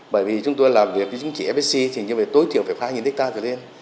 bởi vì chúng tôi làm việc với chứng chỉ fsc thì tối tiểu phải hai ha trở lên